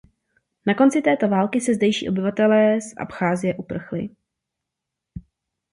Na konci této války se zdejší obyvatelé z Abcházie uprchli.